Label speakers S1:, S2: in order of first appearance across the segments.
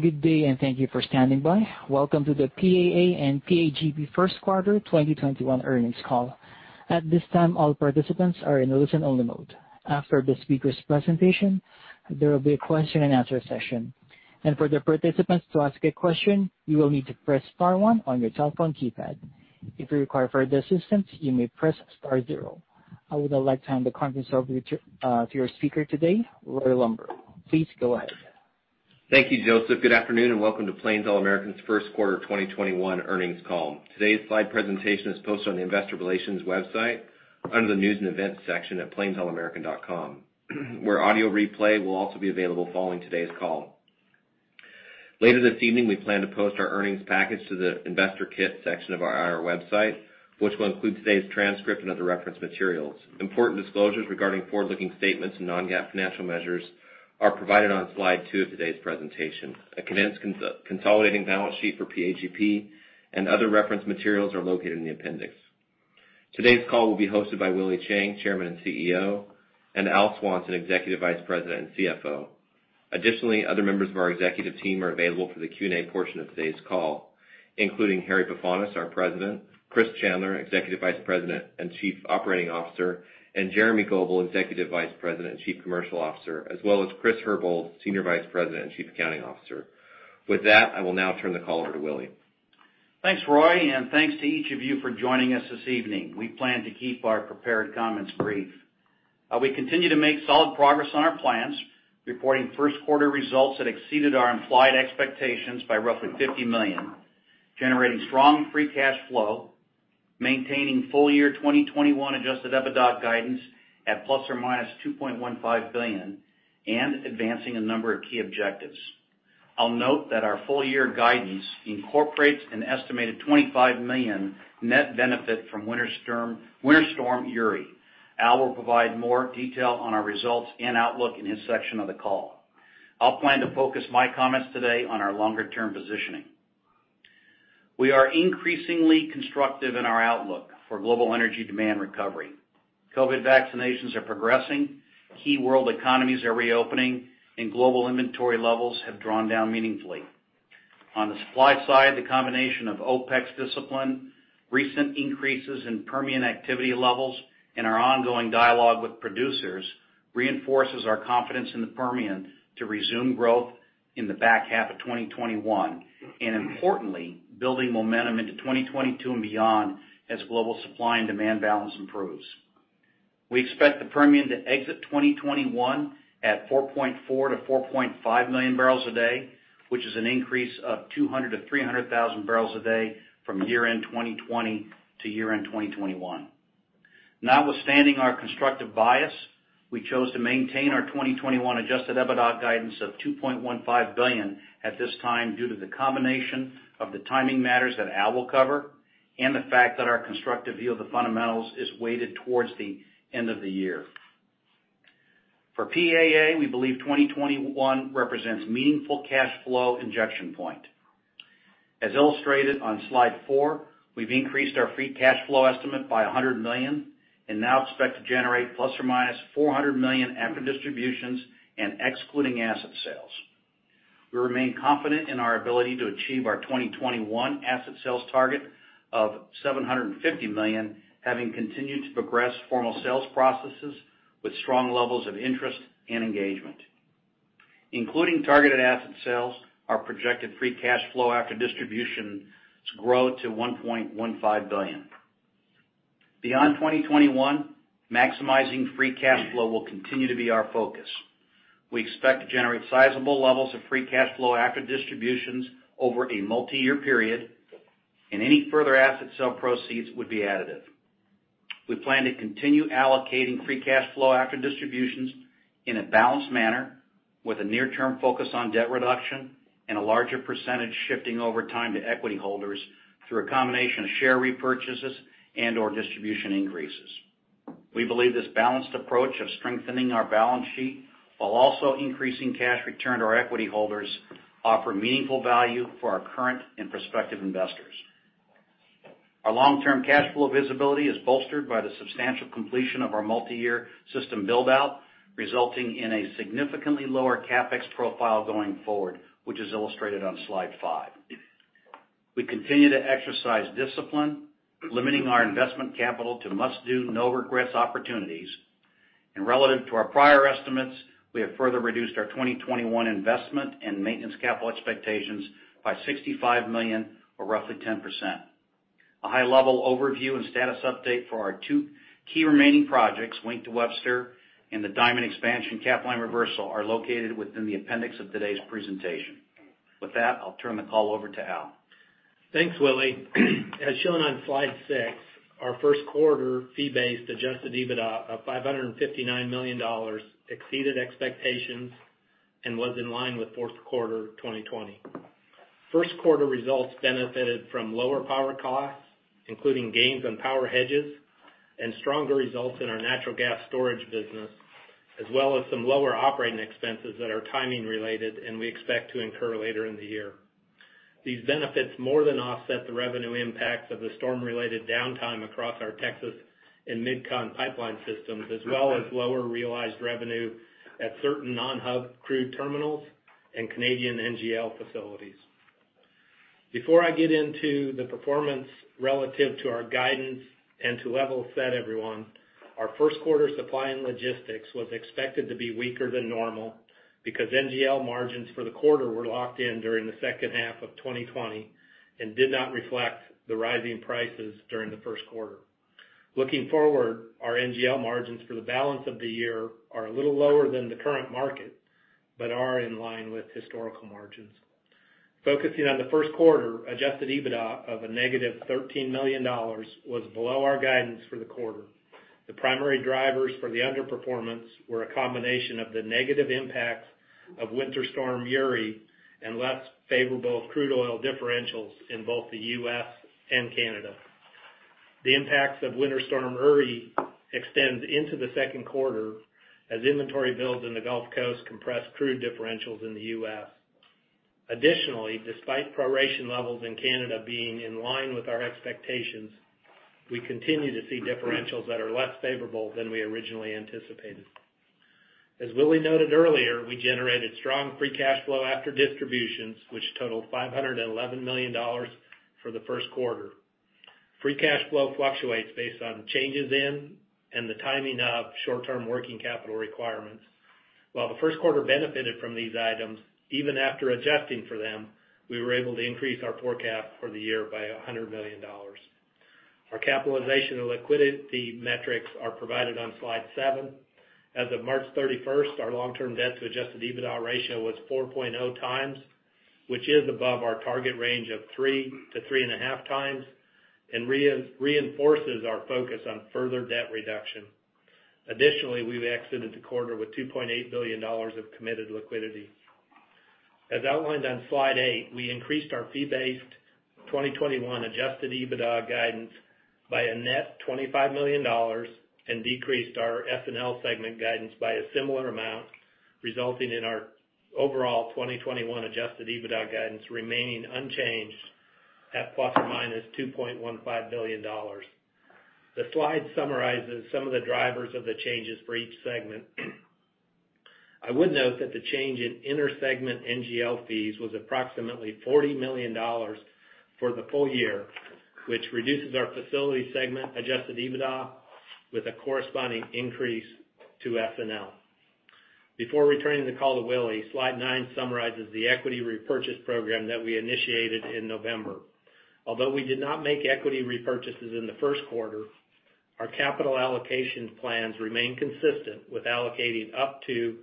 S1: Good day and thank you for standing by. Welcome to the PAA and PAGP first quarter 2021 earnings call. At this time, all participants are in listen-only mode. After the speaker's presentation, there will be a question and answer session. And for the participants to ask a question, you will need to press star one on you telephone keypad. If you require further assistance, you may press star zero. I would now like to hand the conference over to your speaker today, Roy Lamoreaux. Please go ahead.
S2: Thank you, Joseph. Good afternoon and welcome to Plains All American's First Quarter 2021 earnings call. Today's slide presentation is posted on the Investor Relations website under the news and events section at plainsallamerican.com, where audio replay will also be available following today's call. Later this evening, we plan to post our earnings package to the Investor Kit section of our website, which will include today's transcript and other reference materials. Important disclosures regarding forward-looking statements and non-GAAP financial measures are provided on slide two of today's presentation. A condensed consolidating balance sheet for PAGP and other reference materials are located in the appendix. Today's call will be hosted by Willie Chiang, Chairman and CEO, and Al Swanson, Executive Vice President and CFO. Additionally, other members of our executive team are available for the Q&A portion of today's call, including Harry Pefanis, our President, Chris Chandler, Executive Vice President and Chief Operating Officer, and Jeremy Goebel, Executive Vice President and Chief Commercial Officer, as well as Chris Herbold, Senior Vice President and Chief Accounting Officer. With that, I will now turn the call over to Willie.
S3: Thanks, Roy, and thanks to each of you for joining us this evening. We plan to keep our prepared comments brief. We continue to make solid progress on our plans, reporting first quarter results that exceeded our implied expectations by roughly $50 million, generating strong free cash flow, maintaining full-year 2021 adjusted EBITDA guidance at ±$2.15 billion, and advancing a number of key objectives. I'll note that our full-year guidance incorporates an estimated $25 million net benefit from Winter Storm Uri. Al will provide more detail on our results and outlook in his section of the call. I'll plan to focus my comments today on our longer-term positioning. We are increasingly constructive in our outlook for global energy demand recovery. COVID vaccinations are progressing, key world economies are reopening, and global inventory levels have drawn down meaningfully. On the supply side, the combination of OPEX discipline, recent increases in Permian activity levels, and our ongoing dialogue with producers reinforces our confidence in the Permian to resume growth in the back half of 2021 and, importantly, building momentum into 2022 and beyond as global supply and demand balance improves. We expect the Permian to exit 2021 at 4.4 million to 4.5 million barrels a day, which is an increase of 200,000 To 300,000 barrels a day from year-end 2020 to year-end 2021. Notwithstanding our constructive bias, we chose to maintain our 2021 adjusted EBITDA guidance of $2.15 billion at this time due to the combination of the timing matters that Al will cover and the fact that our constructive view of the fundamentals is weighted towards the end of the year. For PAA, we believe 2021 represents meaningful cash flow injection point. As illustrated on slide four, we've increased our free cash flow estimate by $100 million and now expect to generate ±$400 million after distributions and excluding asset sales. We remain confident in our ability to achieve our 2021 asset sales target of $750 million, having continued to progress formal sales processes with strong levels of interest and engagement. Including targeted asset sales, our projected free cash flow after distributions grow to $1.15 billion. Beyond 2021, maximizing free cash flow will continue to be our focus. We expect to generate sizable levels of free cash flow after distributions over a multi-year period, and any further asset sale proceeds would be additive. We plan to continue allocating free cash flow after distributions in a balanced manner with a near-term focus on debt reduction and a larger percentage shifting over time to equity holders through a combination of share repurchases and/or distribution increases. We believe this balanced approach of strengthening our balance sheet while also increasing cash return to our equity holders offer meaningful value for our current and prospective investors. Our long-term cash flow visibility is bolstered by the substantial completion of our multi-year system buildout, resulting in a significantly lower CapEx profile going forward, which is illustrated on slide five. We continue to exercise discipline, limiting our investment capital to must-do, no-regrets opportunities. Relative to our prior estimates, we have further reduced our 2021 investment and maintenance capital expectations by $65 million or roughly 10%. A high-level overview and status update for our two key remaining projects, Wink to Webster and the Diamond Expansion Capline Reversal, are located within the appendix of today's presentation. With that, I'll turn the call over to Al.
S4: Thanks, Willie. As shown on slide six, our first quarter fee-based adjusted EBITDA of $559 million exceeded expectations and was in line with fourth quarter 2020. First quarter results benefited from lower power costs, including gains on power hedges and stronger results in our natural gas storage business, as well as some lower operating expenses that are timing-related and we expect to incur later in the year. These benefits more than offset the revenue impacts of the storm-related downtime across our Texas and MidCon pipeline systems, as well as lower realized revenue at certain non-hub crude terminals and Canadian NGL facilities. Before I get into the performance relative to our guidance and to level set, everyone, our first quarter supply and logistics was expected to be weaker than normal because NGL margins for the quarter were locked in during the second half of 2020 and did not reflect the rising prices during the first quarter. Looking forward, our NGL margins for the balance of the year are a little lower than the current market but are in line with historical margins. Focusing on the first quarter, adjusted EBITDA of -$13 million was below our guidance for the quarter. The primary drivers for the underperformance were a combination of the negative impacts of Winter Storm Uri and less favorable crude oil differentials in both the U.S. and Canada. The impacts of Winter Storm Uri extend into the second quarter as inventory builds in the Gulf Coast compress crude differentials in the U.S. Additionally, despite proration levels in Canada being in line with our expectations, we continue to see differentials that are less favorable than we originally anticipated. As Willie Chiang noted earlier, we generated strong free cash flow after distributions, which totaled $511 million for the first quarter. Free cash flow fluctuates based on changes in and the timing of short-term working capital requirements. While the first quarter benefited from these items, even after adjusting for them, we were able to increase our forecast for the year by $100 million. Our capitalization and liquidity metrics are provided on slide seven. As of March 31st, our long-term debt-to-adjusted EBITDA ratio was 4.0x, which is above our target range of three to three and a half times and reinforces our focus on further debt reduction. Additionally, we exited the quarter with $2.8 billion of committed liquidity. As outlined on slide eight, we increased our fee-based 2021 adjusted EBITDA guidance by a net $25 million and decreased our S&L segment guidance by a similar amount, resulting in our overall 2021 adjusted EBITDA guidance remaining unchanged at ±$2.15 billion. The slide summarizes some of the drivers of the changes for each segment. I would note that the change in inter-segment NGL fees was approximately $40 million for the full year, which reduces our facility segment adjusted EBITDA with a corresponding increase to S&L. Before returning the call to Willie, slide nine summarizes the equity repurchase program that we initiated in November. Although we did not make equity repurchases in the first quarter, our capital allocation plans remain consistent with allocating up to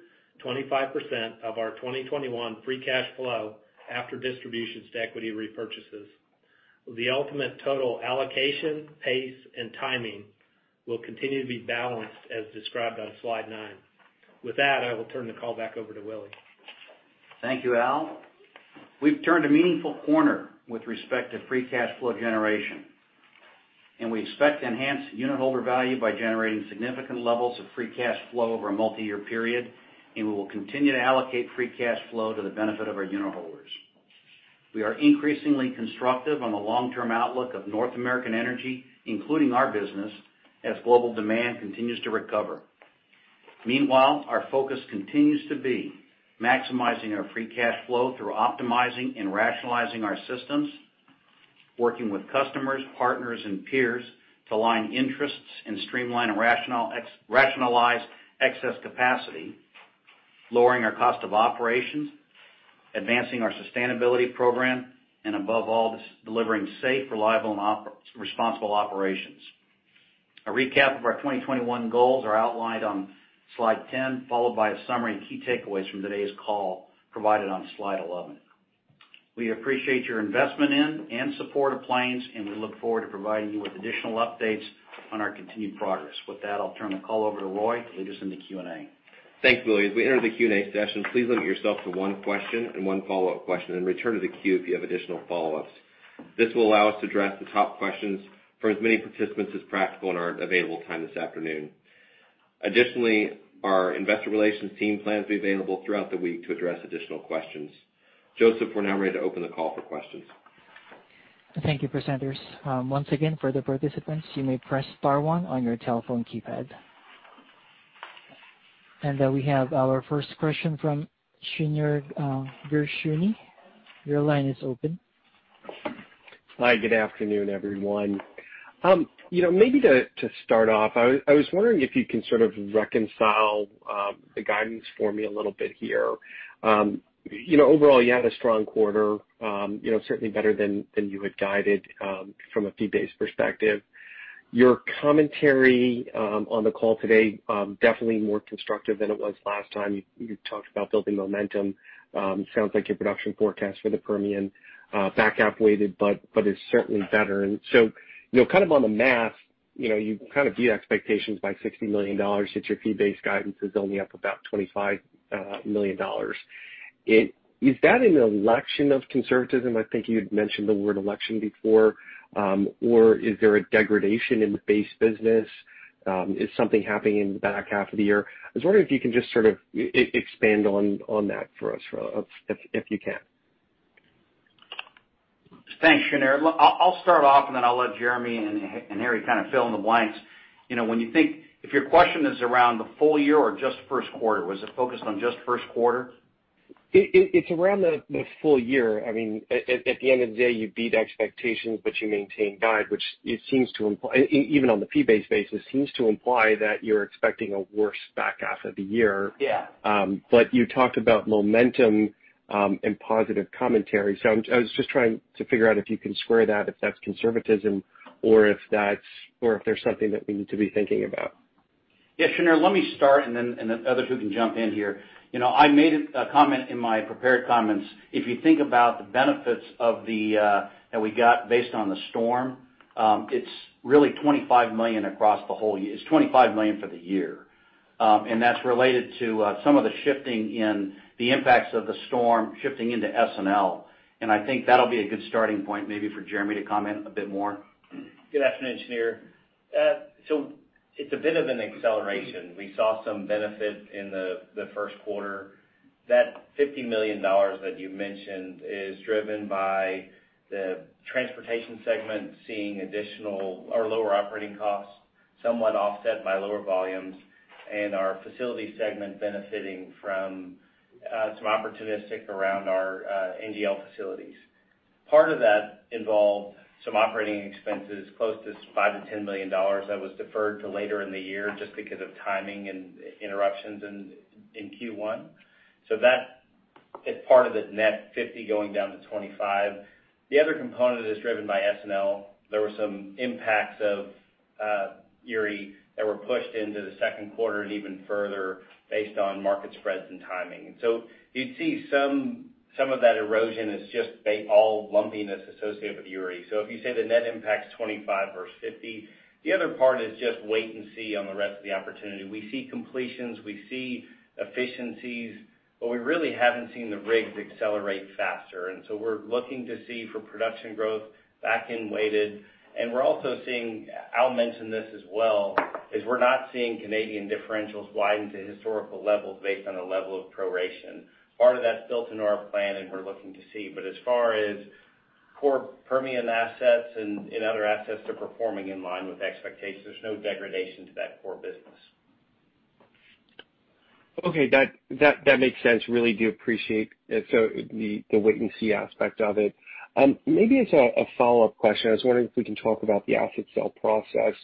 S4: 25% of our 2021 free cash flow after distributions to equity repurchases. The ultimate total allocation, pace, and timing will continue to be balanced as described on slide nine. With that, I will turn the call back over to Willie.
S3: Thank you, Al. We've turned a meaningful corner with respect to free cash flow generation, and we expect to enhance unit holder value by generating significant levels of free cash flow over a multi-year period, and we will continue to allocate free cash flow to the benefit of our unit holders. We are increasingly constructive on the long-term outlook of North American Energy, including our business, as global demand continues to recover. Meanwhile, our focus continues to be maximizing our free cash flow through optimizing and rationalizing our systems, working with customers, partners, and peers to align interests and streamline and rationalize excess capacity, lowering our cost of operations, advancing our sustainability program, and above all, delivering safe, reliable, and responsible operations. A recap of our 2021 goals is outlined on slide 10, followed by a summary of key takeaways from today's call provided on slide 11. We appreciate your investment in and support of Plains, and we look forward to providing you with additional updates on our continued progress. With that, I'll turn the call over to Roy to lead us into Q&A.
S2: Thanks, Willie. As we enter the Q&A session, please limit yourself to one question and one follow-up question, and return to the queue if you have additional follow-ups. This will allow us to address the top questions for as many participants as practical in our available time this afternoon. Additionally, our investor relations team plans to be available throughout the week to address additional questions. Joseph, we're now ready to open the call for questions.
S1: Thank you, presenters. Once again, for the participants, you may press star one on your telephone keypad. Then we have our first question from Shneur Gershuni. Your line is open.
S5: Hi. Good afternoon, everyone. Maybe to start off, I was wondering if you can sort of reconcile the guidance for me a little bit here. Overall, you had a strong quarter, certainly better than you had guided from a fee-based perspective. Your commentary on the call today, definitely more constructive than it was last time. You talked about building momentum. Sounds like your production forecast for the Permian back-half weighted but is certainly better. Kind of on the math, you kind of beat expectations by $60 million since your fee-based guidance is only up about $25 million. Is that an election of conservatism? I think you had mentioned the word election before. Or is there a degradation in the base business? Is something happening in the back half of the year? I was wondering if you can just sort of expand on that for us, if you can.
S3: Thanks, Shneur. I'll start off, and then I'll let Jeremy Goebel and Harry Pefanis kind of fill in the blanks. When you think if your question is around the full year or just first quarter, was it focused on just first quarter?
S5: It's around the full year. I mean, at the end of the day, you beat expectations, you maintained guide, which it seems to even on the fee-based basis, seems to imply that you're expecting a worse back half of the year. You talked about momentum and positive commentary. I was just trying to figure out if you can square that, if that's conservatism or if there's something that we need to be thinking about.
S3: Yeah, Shneur, let me start, and then the others who can jump in here. I made a comment in my prepared comments. If you think about the benefits that we got based on the storm, it's really $25 million across the whole year. It's $25 million for the year. That's related to some of the shifting in the impacts of the storm shifting into S&L. I think that'll be a good starting point maybe for Jeremy to comment a bit more.
S6: Good afternoon, Shneur. It's a bit of an acceleration. We saw some benefit in the first quarter. That $50 million that you mentioned is driven by the transportation segment seeing additional or lower operating costs somewhat offset by lower volumes and our facility segment benefiting from some opportunistic around our NGL facilities. Part of that involved some operating expenses close to $5 million-$10 million that was deferred to later in the year just because of timing and interruptions in Q1. That is part of the net $50 going down to $25. The other component is driven by S&L. There were some impacts of Uri that were pushed into the second quarter and even further based on market spreads and timing. You'd see some of that erosion is just all lumpiness associated with Uri. If you say the net impact's 25 versus 50, the other part is just wait and see on the rest of the opportunity. We see completions. We see efficiencies. We really haven't seen the rigs accelerate faster. We're looking to see for production growth back in weighted. We're also seeing I'll mention this as well is we're not seeing Canadian differentials widen to historical levels based on the level of proration. Part of that's built into our plan, and we're looking to see. As far as core Permian assets and other assets that are performing in line with expectations, there's no degradation to that core business.
S5: Okay. That makes sense. Really do appreciate the wait and see aspect of it. Maybe as a follow-up question, I was wondering if we can talk about the asset sale process.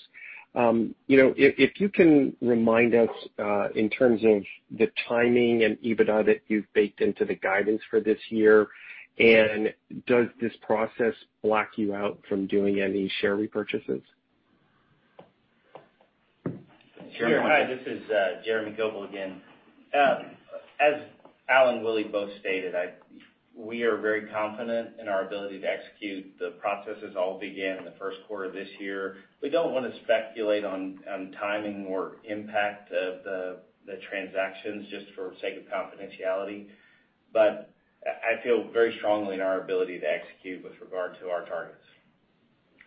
S5: If you can remind us in terms of the timing and EBITDA that you've baked into the guidance for this year, and does this process block you out from doing any share repurchases?
S6: Sure. Hi. This is Jeremy Goebel again. As Al and Willie both stated, we are very confident in our ability to execute. The processes all began in the first quarter of this year. We don't want to speculate on timing or impact of the transactions just for sake of confidentiality. I feel very strongly in our ability to execute with regard to our targets.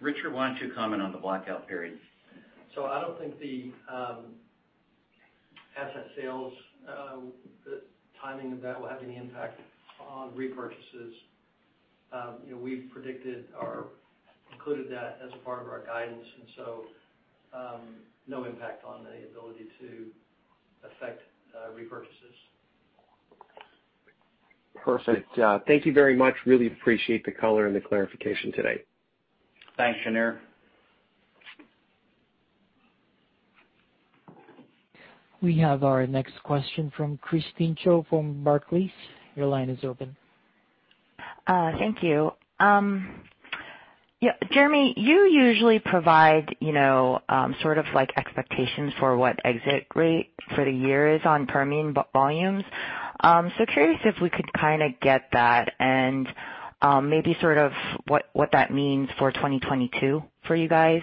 S3: Richard, why don't you comment on the blackout period?
S7: I don't think the asset sales, the timing of that will have any impact on repurchases. We've included that as a part of our guidance. No impact on the ability to affect repurchases.
S5: Perfect. Thank you very much. Really appreciate the color and the clarification today.
S6: Thanks, Shneur.
S1: We have our next question from Christine Cho from Barclays. Your line is open.
S8: Thank you. Jeremy, you usually provide sort of expectations for what exit rate for the year is on Permian volumes. Curious if we could kind of get that and maybe sort of what that means for 2022 for you guys.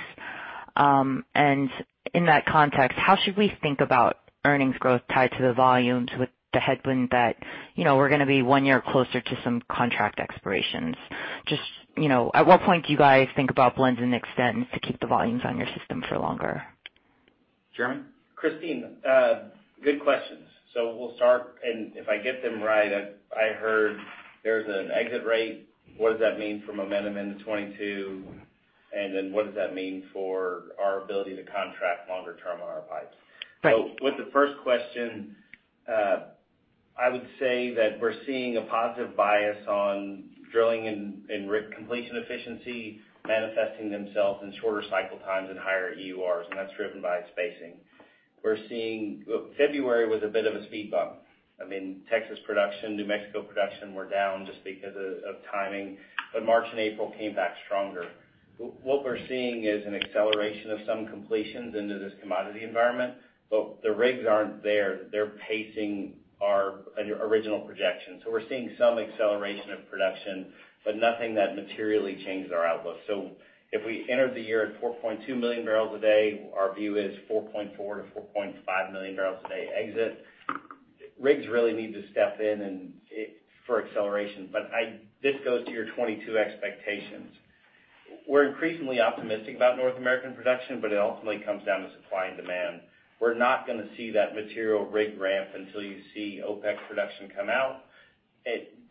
S8: In that context, how should we think about earnings growth tied to the volumes with the headwind that we're going to be one year closer to some contract expirations? Just at what point do you guys think about blends and extends to keep the volumes on your system for longer?
S4: Jeremy.
S6: Christine, good questions. We'll start. If I get them right, I heard there's an exit rate. What does that mean for momentum in 2022? What does that mean for our ability to contract longer term on our pipes? With the first question, I would say that we're seeing a positive bias on drilling and completion efficiency manifesting themselves in shorter cycle times and higher EURs. That's driven by spacing. February was a bit of a speed bump. Texas production, New Mexico production were down just because of timing. March and April came back stronger. What we're seeing is an acceleration of some completions into this commodity environment. The rigs aren't there. They're pacing our original projection. We're seeing some acceleration of production, but nothing that materially changed our outlook. If we entered the year at 4.2 million barrels a day, our view is 4.4 million-4.5 million barrels a day exit. Rigs really need to step in for acceleration. This goes to your 2022 expectations. We're increasingly optimistic about North American production, but it ultimately comes down to supply and demand. We're not going to see that material rig ramp until you see OPEC production come out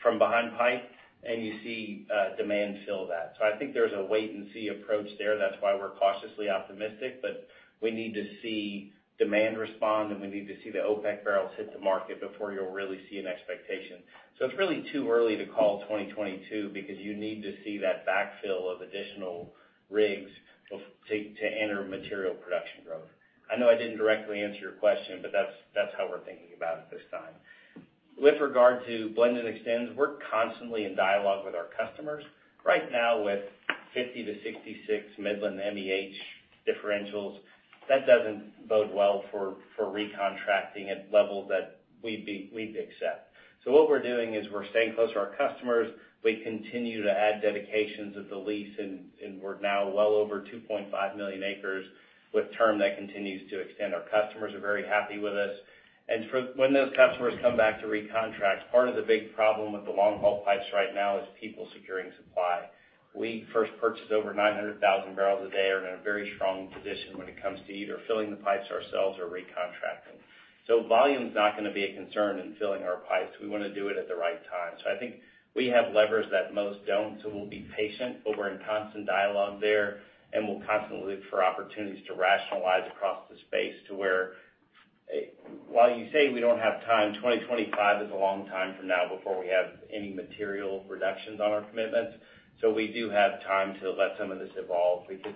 S6: from behind pipe and you see demand fill that. I think there's a wait and see approach there. That's why we're cautiously optimistic. We need to see demand respond, and we need to see the OPEC barrels hit the market before you'll really see an expectation. It's really too early to call 2022 because you need to see that backfill of additional rigs to enter material production growth. I know I didn't directly answer your question, but that's how we're thinking about it this time. With regard to blend and extends, we're constantly in dialogue with our customers. Right now, with $0.50 to $0.66 Midland MEH differentials, that doesn't bode well for recontracting at levels that we'd accept. What we're doing is we're staying close to our customers. We continue to add dedications of the lease, and we're now well over 2.5 million acres with term that continues to extend. Our customers are very happy with us. When those customers come back to recontract, part of the big problem with the long-haul pipes right now is people securing supply. We first purchased over 900,000 barrels a day and are in a very strong position when it comes to either filling the pipes ourselves or recontracting. Volume's not going to be a concern in filling our pipes. We want to do it at the right time. I think we have levers that most don't. We'll be patient, but we're in constant dialogue there, and we'll constantly look for opportunities to rationalize across the space to where while you say we don't have time, 2025 is a long time from now before we have any material reductions on our commitments. We do have time to let some of this evolve because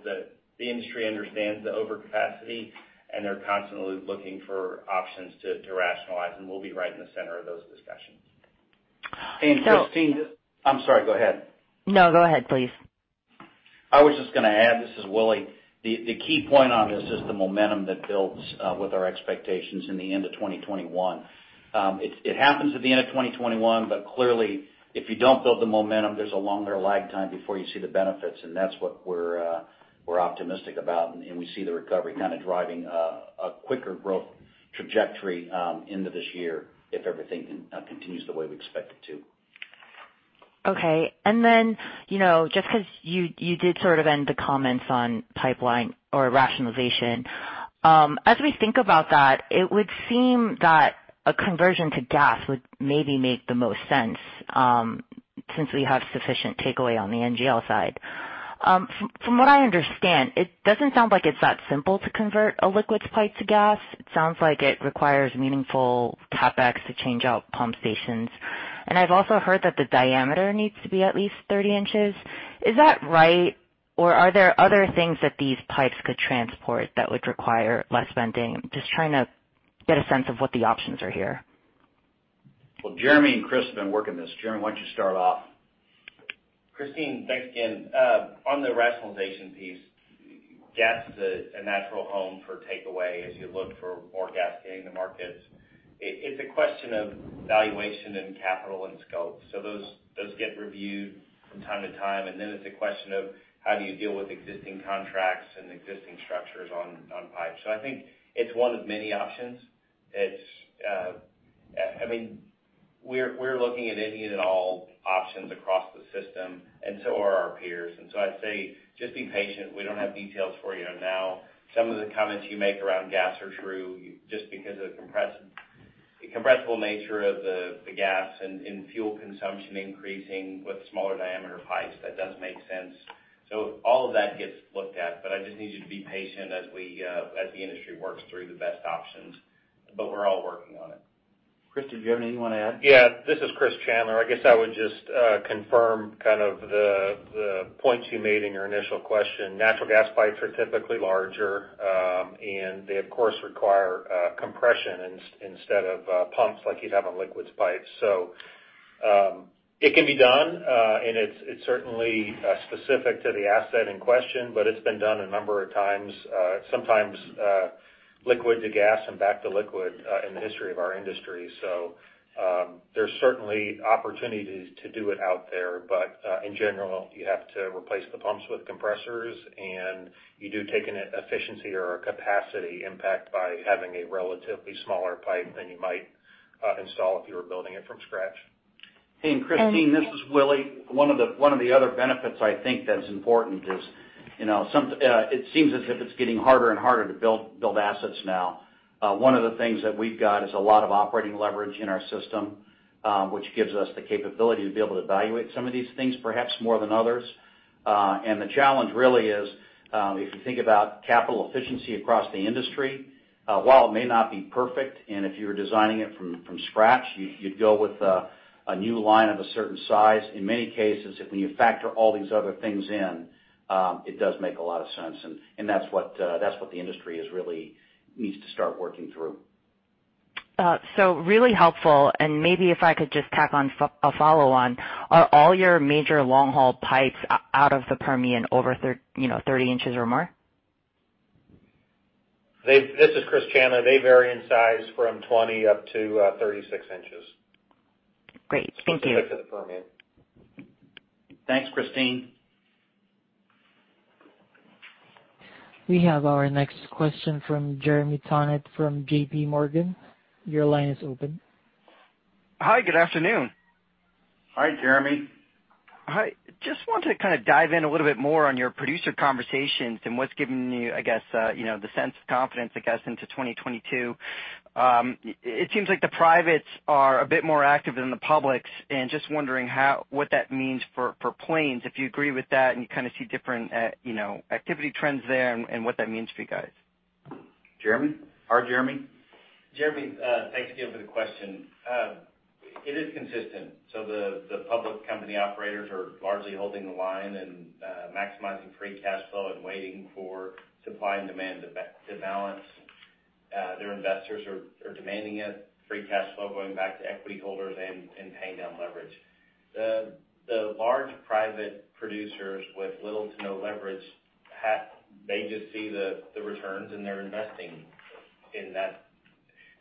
S6: the industry understands the overcapacity, and they're constantly looking for options to rationalize. We'll be right in the center of those discussions.
S3: Christine, I'm sorry. Go ahead.
S8: No, go ahead, please.
S3: I was just going to add - this is Willie - the key point on this is the momentum that builds with our expectations in the end of 2021. It happens at the end of 2021, but clearly, if you don't build the momentum, there's a longer lag time before you see the benefits. That's what we're optimistic about. We see the recovery kind of driving a quicker growth trajectory into this year if everything continues the way we expect it to.
S8: Okay. Just because you did sort of end the comments on pipeline or rationalization, as we think about that, it would seem that a conversion to gas would maybe make the most sense since we have sufficient takeaway on the NGL side. From what I understand, it doesn't sound like it's that simple to convert a liquids pipe to gas. It sounds like it requires meaningful CapEx to change out pump stations. I've also heard that the diameter needs to be at least 30 inches. Is that right? Or are there other things that these pipes could transport that would require less spending? Just trying to get a sense of what the options are here.
S3: Well, Jeremy and Chris have been working this. Jeremy, why don't you start off?
S6: Christine, thanks again. On the rationalization piece, gas is a natural home for takeaway as you look for more gas getting to markets. It's a question of valuation and capital and scope. Those get reviewed from time to time. Then it's a question of how do you deal with existing contracts and existing structures on pipes. I think it's one of many options. I mean, we're looking at any and all options across the system, and so are our peers. I'd say just be patient. We don't have details for you right now. Some of the comments you make around gas are true just because of the compressible nature of the gas and fuel consumption increasing with smaller diameter pipes. That does make sense. All of that gets looked at. I just need you to be patient as the industry works through the best options. We're all working on it.
S3: Chris, do you have anything you want to add?
S9: Yeah. This is Chris Chandler. I guess I would just confirm kind of the points you made in your initial question. Natural gas pipes are typically larger, and they, of course, require compression instead of pumps like you'd have on liquids pipes. It can be done, and it's certainly specific to the asset in question. It's been done a number of times, sometimes liquid to gas and back to liquid in the history of our industry. There's certainly opportunities to do it out there. In general, you have to replace the pumps with compressors, and you do take an efficiency or a capacity impact by having a relatively smaller pipe than you might install if you were building it from scratch.
S3: Hey, Christine. This is Willie. One of the other benefits I think that's important is it seems as if it's getting harder and harder to build assets now. One of the things that we've got is a lot of operating leverage in our system, which gives us the capability to be able to evaluate some of these things perhaps more than others. The challenge really is if you think about capital efficiency across the industry, while it may not be perfect and if you were designing it from scratch, you'd go with a new line of a certain size, in many cases, when you factor all these other things in, it does make a lot of sense. That's what the industry really needs to start working through.
S8: Really helpful. Maybe if I could just tack on a follow-on, are all your major long-haul pipes out of the Permian over 30 inches or more?
S9: This is Chris Chandler. They vary in size from 20 inches up to 36 inches.
S8: Great. Thank you.
S9: Specific to the Permian.
S6: Thanks, Christine.
S1: We have our next question from Jeremy Tonet from JPMorgan. Your line is open.
S10: Hi. Good afternoon.
S6: Hi, Jeremy.
S10: Hi. Just want to kind of dive in a little bit more on your producer conversations and what's given you, I guess, the sense of confidence, I guess, into 2022. It seems like the privates are a bit more active than the publics. Just wondering what that means for Plains, if you agree with that, and you kind of see different activity trends there and what that means for you guys.
S4: Jeremy?
S6: Hi, Jeremy. Jeremy, thanks again for the question. It is consistent. The public company operators are largely holding the line and maximizing free cash flow and waiting for supply and demand to balance. Their investors are demanding it, free cash flow going back to equity holders and paying down leverage. The large private producers with little to no leverage, they just see the returns, and they're investing in that.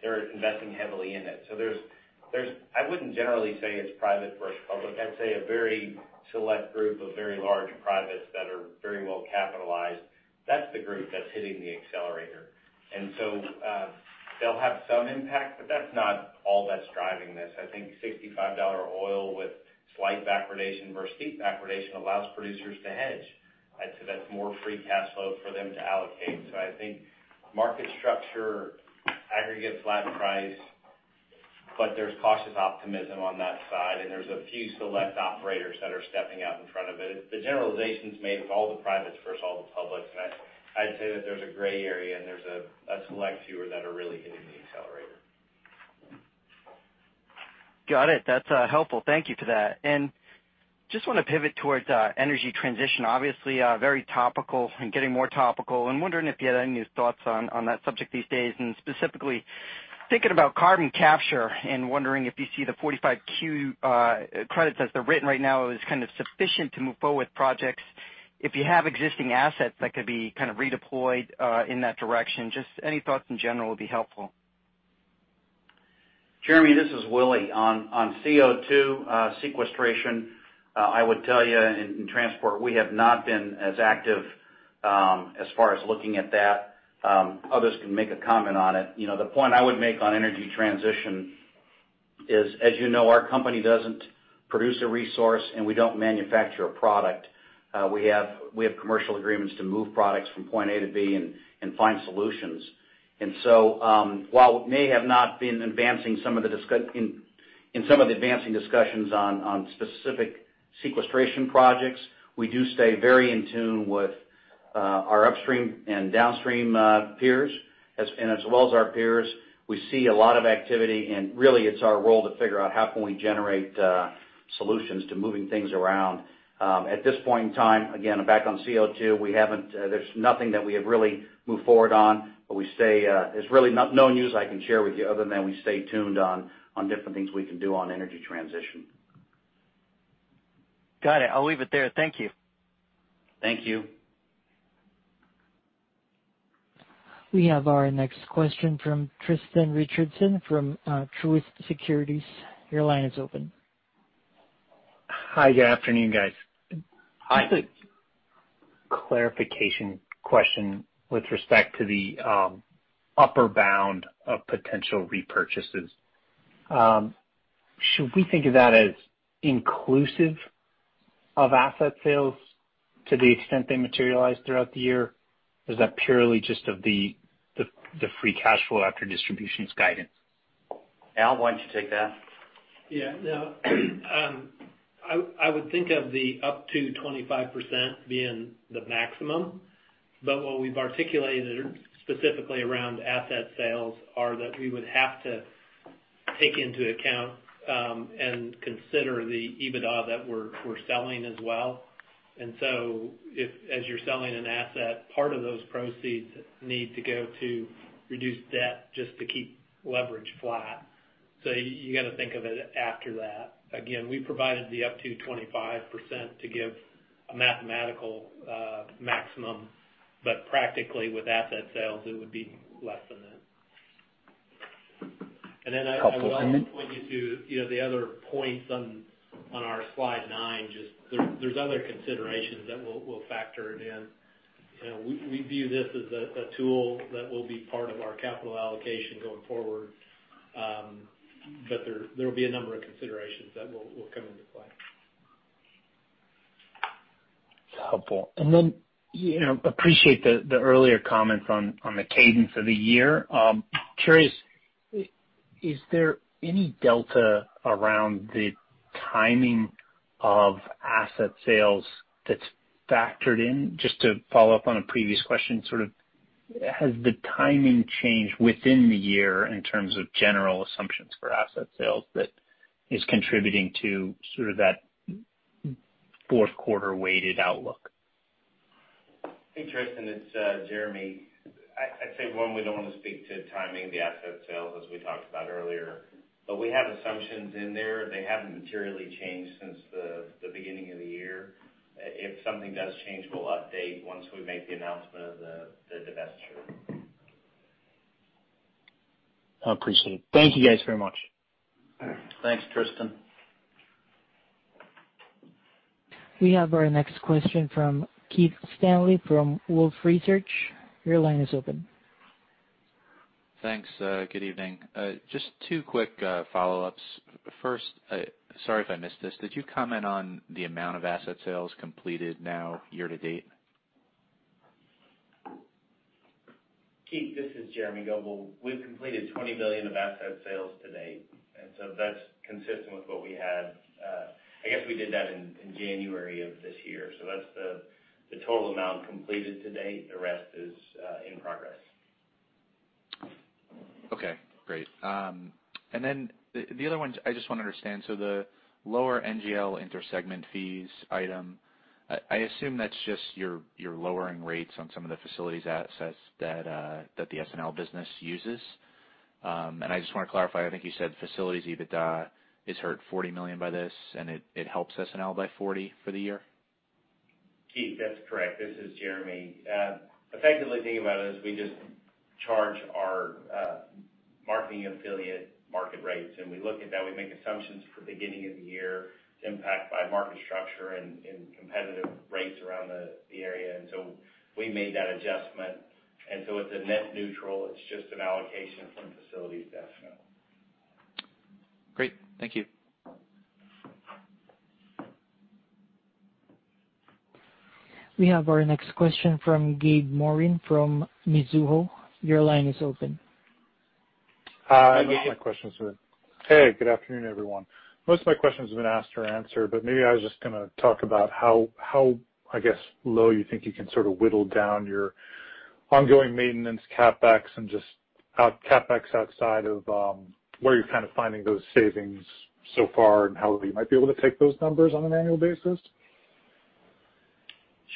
S6: They're investing heavily in it. I wouldn't generally say it's private versus public. I'd say a very select group of very large privates that are very well capitalized, that's the group that's hitting the accelerator. They'll have some impact, but that's not all that's driving this. I think $65 oil with slight backwardation versus steep backwardation allows producers to hedge. I'd say that's more free cash flow for them to allocate. I think market structure, aggregate flat price, but there's cautious optimism on that side. There's a few select operators that are stepping out in front of it. The generalization's made with all the privates versus all the publics. I'd say that there's a gray area, and there's a select fewer that are really hitting the accelerator.
S10: Got it. That's helpful. Thank you for that. Just want to pivot towards energy transition. Obviously, very topical and getting more topical. Wondering if you had any new thoughts on that subject these days. Specifically, thinking about carbon capture and wondering if you see the 45Q credits as they're written right now as kind of sufficient to move forward with projects. If you have existing assets that could be kind of redeployed in that direction, just any thoughts in general would be helpful.
S3: Jeremy, this is Willie. On CO2 sequestration, I would tell you, in transport, we have not been as active as far as looking at that. Others can make a comment on it. The point I would make on energy transition is, as you know, our company doesn't produce a resource, and we don't manufacture a product. We have commercial agreements to move products from point A to B and find solutions. While we may have not been advancing some of the advancing discussions on specific sequestration projects, we do stay very in tune with our upstream and downstream peers. As well as our peers, we see a lot of activity. Really, it's our role to figure out how can we generate solutions to moving things around. At this point in time, again, back on CO2, there's nothing that we have really moved forward on. There's really no news I can share with you other than we stay tuned on different things we can do on energy transition.
S10: Got it. I'll leave it there. Thank you.
S3: Thank you.
S1: We have our next question from Tristan Richardson from Truist Securities. Your line is open.
S11: Hi. Good afternoon, guys.
S3: Hi.
S11: Just a clarification question with respect to the upper bound of potential repurchases. Should we think of that as inclusive of asset sales to the extent they materialize throughout the year, or is that purely just of the free cash flow after distributions guidance?
S3: Al, why don't you take that? Yeah. No. I would think of the up to 25% being the maximum. What we've articulated specifically around asset sales are that we would have to take into account and consider the EBITDA that we're selling as well. As you're selling an asset, part of those proceeds need to go to reduce debt just to keep leverage flat. You got to think of it after that. Again, we provided the up to 25% to give a mathematical maximum. Practically, with asset sales, it would be less than that.
S11: Helpful.
S3: I will point you to the other points on our slide nine. There's other considerations that we'll factor it in. We view this as a tool that will be part of our capital allocation going forward. There'll be a number of considerations that will come into play.
S11: That's helpful. Appreciate the earlier comments on the cadence of the year. Curious, is there any delta around the timing of asset sales that's factored in? Just to follow up on a previous question, sort of has the timing changed within the year in terms of general assumptions for asset sales that is contributing to sort of that fourth-quarter weighted outlook?
S6: Hey, Tristan. It's Jeremy. I'd say, one, we don't want to speak to timing the asset sales as we talked about earlier. We have assumptions in there. They haven't materially changed since the beginning of the year. If something does change, we'll update once we make the announcement of the divestiture.
S11: I appreciate it. Thank you guys very much.
S6: Thanks, Tristan.
S1: We have our next question from Keith Stanley from Wolfe Research. Your line is open.
S12: Thanks. Good evening. Just two quick follow-ups. First, sorry if I missed this. Did you comment on the amount of asset sales completed now year-to-date?
S6: Keith, this is Jeremy Goebel. We've completed $20 million of asset sales to date. That's consistent with what we had. I guess we did that in January of this year. That's the total amount completed to date. The rest is in progress.
S12: Okay. Great. The other ones I just want to understand. The lower NGL intersegment fees item, I assume that's just you're lowering rates on some of the facilities assets that the S&L business uses. I just want to clarify. I think you said facilities EBITDA is hurt $40 million by this, and it helps S&L by $40 million for the year?
S6: Keith, that's correct. This is Jeremy. Effectively, thinking about it, is we just charge our marketing affiliate market rates. We look at that. We make assumptions for beginning of the year to impact by market structure and competitive rates around the area. We made that adjustment. It's a net neutral. It's just an allocation from facilities to S&L.
S12: Great. Thank you.
S1: We have our next question from Gabe Moreen from Mizuho. Your line is open.
S13: Good afternoon, everyone. Most of my questions have been asked or answered. Maybe I was just going to talk about how, I guess, low you think you can sort of whittle down your ongoing maintenance CapEx and just CapEx outside of where you're kind of finding those savings so far and how you might be able to take those numbers on an annual basis.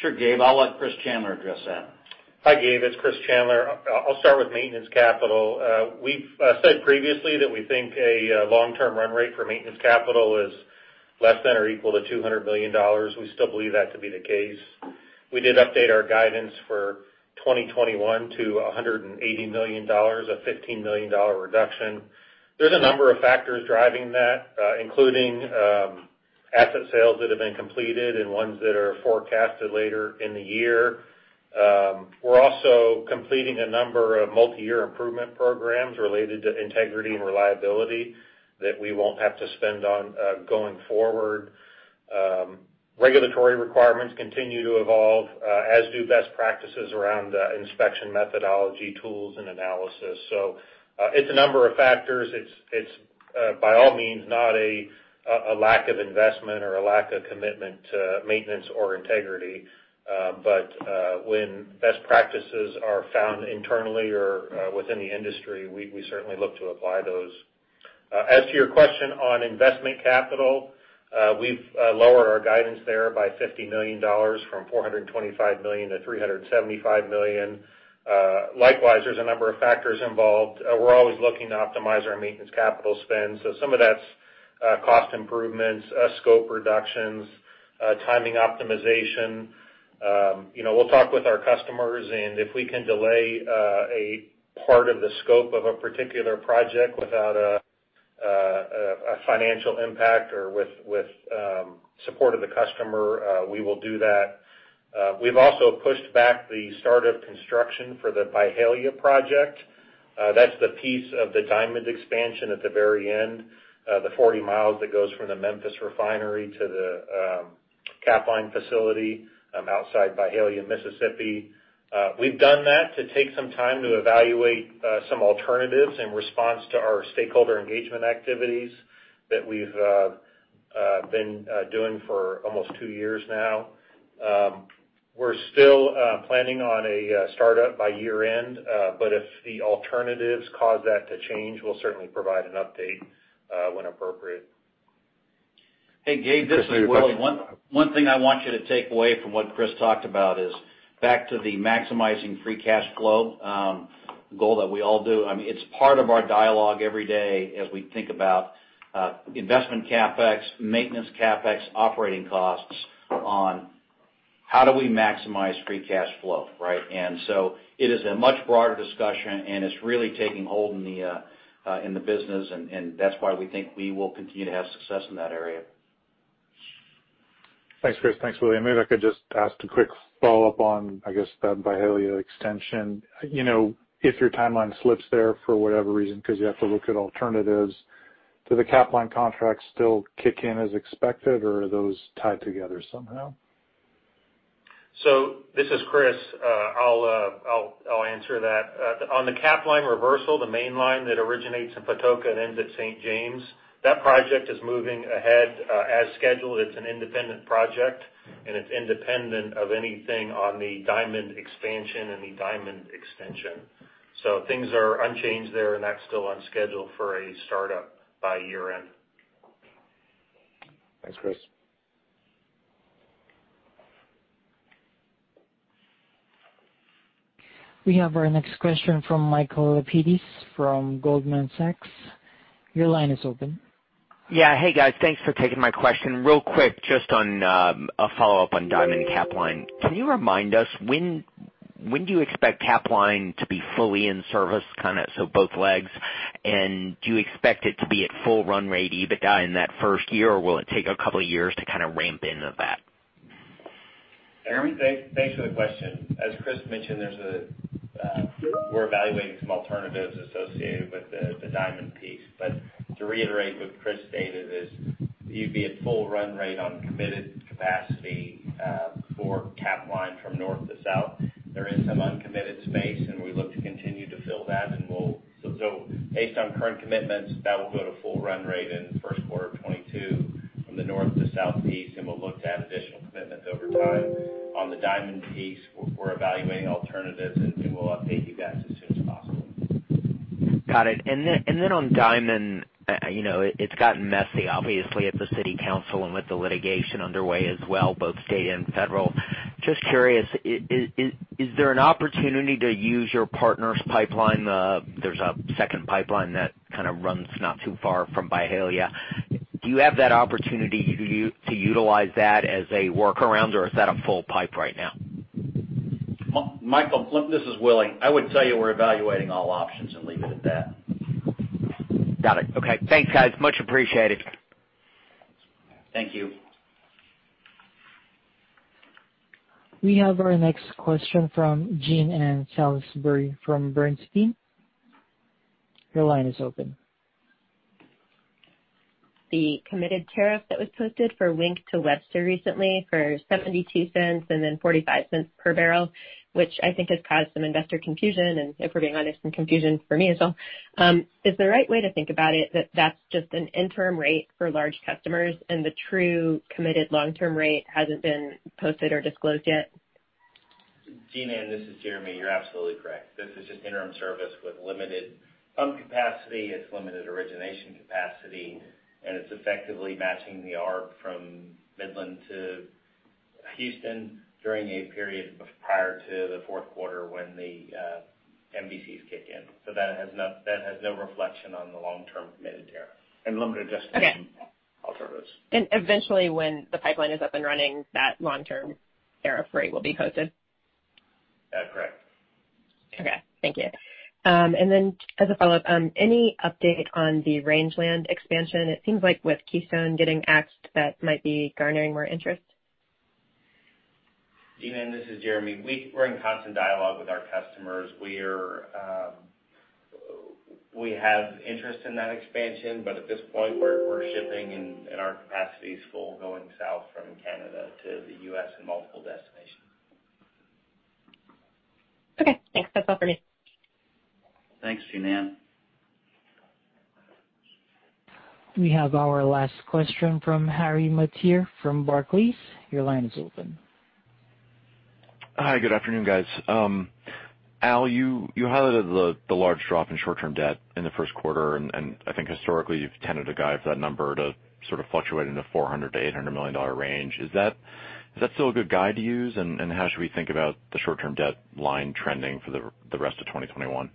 S3: Sure, Gabe. I'll let Chris Chandler address that.
S9: Hi, Gabe. It's Chris Chandler. I'll start with maintenance capital. We've said previously that we think a long-term run rate for maintenance capital is less than or equal to $200 million. We still believe that to be the case. We did update our guidance for 2021 to $180 million, a $15 million reduction. There's a number of factors driving that, including asset sales that have been completed and ones that are forecasted later in the year. We're also completing a number of multi-year improvement programs related to integrity and reliability that we won't have to spend on going forward. Regulatory requirements continue to evolve, as do best practices around inspection methodology, tools, and analysis. It's a number of factors. It's, by all means, not a lack of investment or a lack of commitment to maintenance or integrity. When best practices are found internally or within the industry, we certainly look to apply those. As to your question on investment capital, we've lowered our guidance there by $50 million from $425 million-$375 million. Likewise, there's a number of factors involved. We're always looking to optimize our maintenance capital spend. So some of that's cost improvements, scope reductions, timing optimization. We'll talk with our customers. And if we can delay a part of the scope of a particular project without a financial impact or with support of the customer, we will do that. We've also pushed back the start of construction for the Vidalia project. That's the piece of the Diamond Expansion at the very end, the 40 miles that goes from the Memphis refinery to the Capline facility outside Vidalia, Louisiana. We've done that to take some time to evaluate some alternatives in response to our stakeholder engagement activities that we've been doing for almost two years now. We're still planning on a startup by year-end. If the alternatives cause that to change, we'll certainly provide an update when appropriate.
S3: Hey, Gabe. This is Willie. One thing I want you to take away from what Chris talked about is back to the maximizing free cash flow, the goal that we all do. I mean, it's part of our dialogue every day as we think about investment CapEx, maintenance CapEx, operating costs on how do we maximize free cash flow, right? It is a much broader discussion. That's why we think we will continue to have success in that area.
S13: Thanks, Chris. Thanks, Willie. Maybe I could just ask a quick follow-up on, I guess, that Vidalia extension. If your timeline slips there for whatever reason because you have to look at alternatives, do the Capline contracts still kick in as expected, or are those tied together somehow?
S9: This is Chris. I'll answer that. On the Capline Reversal, the main line that originates in Patoka and ends at St. James, that project is moving ahead as scheduled. It's an independent project. It's independent of anything on the Diamond Expansion and the Diamond extension. Things are unchanged there. That's still on schedule for a startup by year-end.
S3: Thanks, Chris.
S1: We have our next question from Michael Lapides from Goldman Sachs. Your line is open.
S14: Hey, guys. Thanks for taking my question. Real quick, just a follow-up on Diamond and Capline. Can you remind us when do you expect Capline to be fully in service, kind of so both legs? Do you expect it to be at full run rate EBITDA in that first year, or will it take a couple of years to kind of ramp into that?
S6: Jeremy, thanks for the question. As Chris mentioned, we're evaluating some alternatives associated with the Diamond piece. To reiterate what Chris stated is you'd be at full run rate on committed capacity for Capline from north to south. There is some uncommitted space. We look to continue to fill that. Based on current commitments, that will go to full run rate in first quarter of 2022 from the north to south piece. We'll look to add additional commitments over time. On the Diamond piece, we're evaluating alternatives. We'll update you guys as soon as possible.
S14: Got it. Then on Diamond, it's gotten messy, obviously, at the city council and with the litigation underway as well, both state and federal. Just curious, is there an opportunity to use your partner's pipeline? There's a second pipeline that kind of runs not too far from Vidalia. Do you have that opportunity to utilize that as a workaround, or is that a full pipe right now?
S3: Michael, this is Willie. I would tell you we're evaluating all options and leave it at that.
S14: Got it. Okay. Thanks, guys. Much appreciated.
S3: Thank you.
S1: We have our next question from Jean Ann Salisbury from Bernstein. Your line is open.
S15: The committed tariff that was posted for Wink to Webster recently for $0.72 and then $0.45 per barrel, which I think has caused some investor confusion and, if we're being honest, some confusion for me as well, is the right way to think about it, that that's just an interim rate for large customers? The true committed long-term rate hasn't been posted or disclosed yet?
S6: Jean Ann, this is Jeremy. You're absolutely correct. This is just interim service with limited pump capacity. It's limited origination capacity. It's effectively matching the ARB from Midland to Houston during a period prior to the fourth quarter when the MVCs kick in. That has no reflection on the long-term committed tariff and limited destination alternatives.
S15: Eventually, when the pipeline is up and running, that long-term tariff rate will be posted?
S6: Correct.
S15: Okay. Thank you. As a follow-up, any update on the Rangeland expansion? It seems like with Keystone getting axed, that might be garnering more interest.
S6: Jean Ann, this is Jeremy. We're in constant dialogue with our customers. We have interest in that expansion. At this point, we're shipping in our capacity's full going south from Canada to the U.S. and multiple destinations.
S15: Okay. Thanks. That's all for me.
S6: Thanks, Jean Ann.
S1: We have our last question from Harry Mateer from Barclays. Your line is open.
S16: Hi. Good afternoon, guys. Al, you highlighted the large drop in short-term debt in the first quarter. I think, historically, you've tended to guide for that number to sort of fluctuate in the $400 million-$800 million range. Is that still a good guide to use? How should we think about the short-term debt line trending for the rest of 2021?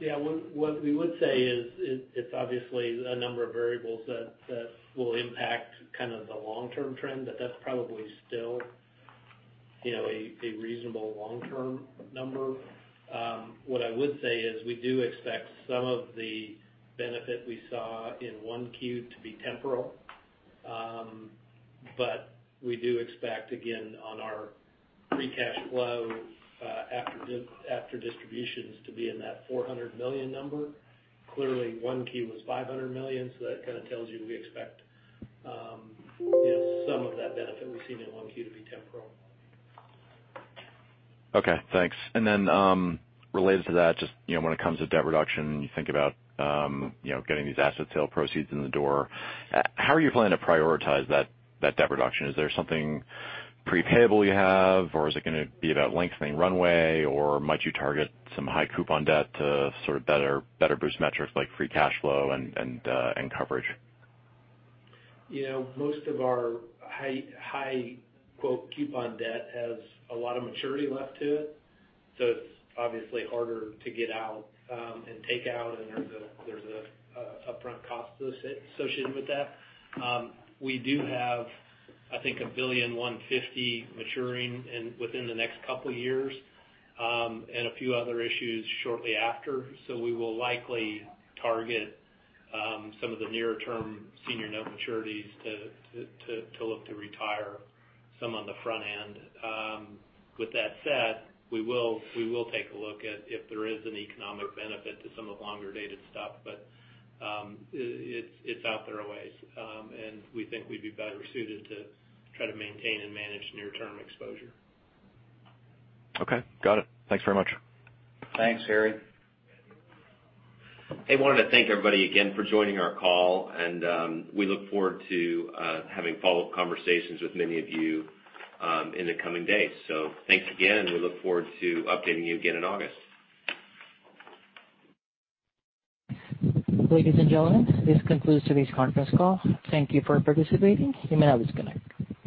S4: Yeah. What we would say is it's obviously a number of variables that will impact kind of the long-term trend. That's probably still a reasonable long-term number. What I would say is we do expect some of the benefit we saw in Q1 to be temporal. We do expect, again, on our free cash flow after distributions to be in that $400 million number. Clearly, Q1 was $500 million. That kind of tells you we expect some of that benefit we've seen in Q1 to be temporal.
S16: Okay. Thanks. Related to that, just when it comes to debt reduction, you think about getting these asset sale proceeds in the door. How are you planning to prioritize that debt reduction? Is there something prepayable you have? Is it going to be about lengthening runway? Might you target some high coupon debt to sort of better boost metrics like free cash flow and coverage?
S4: Most of our high "coupon debt" has a lot of maturity left to it. It's obviously harder to get out and take out. There's an upfront cost associated with that. We do have, I think, $1.15 billion maturing within the next couple of years and a few other issues shortly after. We will likely target some of the nearer-term senior note maturities to look to retire some on the front end. With that said, we will take a look at if there is an economic benefit to some of the longer-dated stuff. It's out there always. We think we'd be better suited to try to maintain and manage near-term exposure.
S16: Okay. Got it. Thanks very much.
S3: Thanks, Harry. Hey, I wanted to thank everybody again for joining our call. We look forward to having follow-up conversations with many of you in the coming days. Thanks again. We look forward to updating you again in August.
S1: Ladies and gentlemen, this concludes today's conference call. Thank you for participating. You may now disconnect.